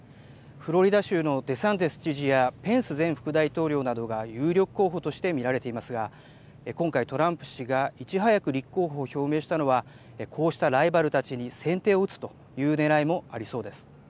フロリダ州のデサンティス知事やペンス前副大統領などが有力候補として見られていますが今回トランプ氏がいち早く立候補を表明したのはこうしたライバルたちに先手を打つというねらいもありそうです。